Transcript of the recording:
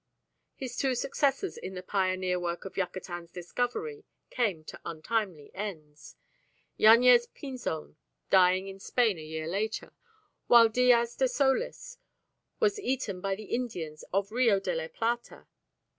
His two successors in the pioneer work of Yucatan's discovery came to untimely ends, Yañez Pinzon dying in Spain a year later, while Diaz de Solis was eaten by the Indians of Rio de la Plata.